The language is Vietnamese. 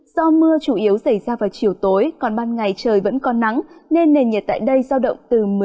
do mưa chủ yếu xảy ra vào chiều tối còn ban ngày trời vẫn còn nắng nên nền nhiệt tại đây giao động từ một mươi năm ba mươi một độ